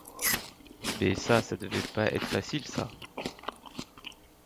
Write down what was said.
Bé ça devait pas être facile, ça.